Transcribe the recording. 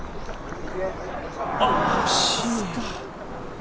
惜しい。